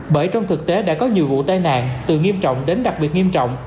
bởi trong thực tế đã có nhiều vụ tai nạn từ nghiêm trọng đến đặc biệt nghiêm trọng